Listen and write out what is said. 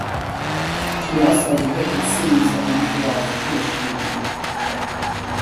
She also depicted scenes of Montreal's Jewish Community.